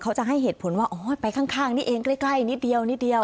เขาจะให้เหตุผลว่าอ๋อไปข้างนี่เองใกล้นิดเดียว